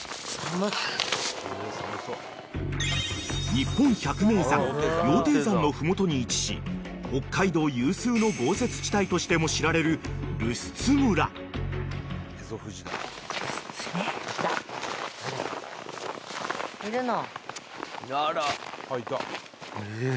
［日本百名山羊蹄山の麓に位置し北海道有数の豪雪地帯としても知られる留寿都村］いるの。